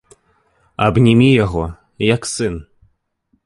Абнімі яго, як сын.